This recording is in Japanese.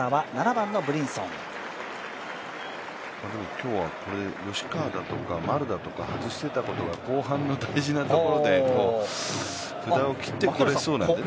今日は吉川だとか丸だとかを外していたことが後半の大事なところで札を切ってくれそうなのでね。